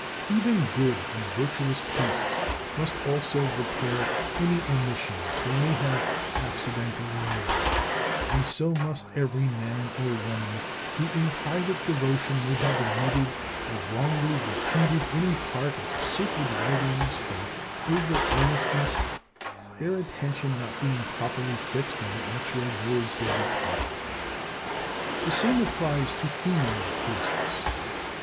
Even good and virtuous priests must also repair any omissions they may have (accidentally) made, and so must every man or woman who in private devotion may have omitted or wrongly repeated any part of the sacred writings from over earnestness, their attention not being properly fixed on the actual words they repeat. The same applies to female priests.